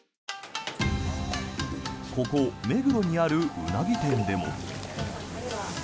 ここ、目黒にあるウナギ店でも。